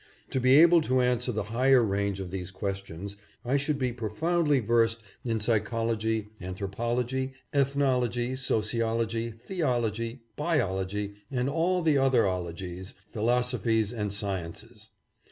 To be able to answer the higher range of these questions I should be profoundly versed in psychology, anthropology, ethnology, sociology, the ology, biology, and all the other ologies, philosophies and sciences.